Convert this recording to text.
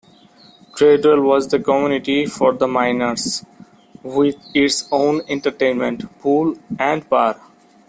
Treadwell was the community for the miners, with its own entertainment, pool, and bar.